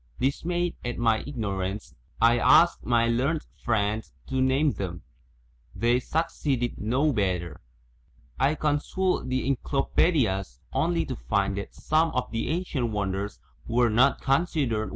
Dismayed at my ignorance, I asked my learned friends to name them; they succeeded no better. I consulted the encyclopae >>> i ( i 1 . f ,> dias only to find Uiat, some of the ancient wonders were not considered